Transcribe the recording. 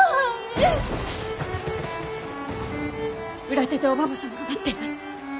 裏手でおばば様が待っています。